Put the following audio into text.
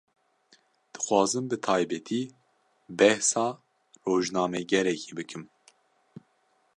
Dixwazim bi taybetî, behsa rojnamegerekî bikim